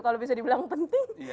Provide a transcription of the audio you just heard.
kalau bisa dibilang penting